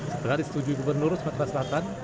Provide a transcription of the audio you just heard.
setelah disetujui gubernur sumatera selatan